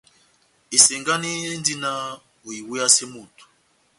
Esengani endi náh oiweyase moto.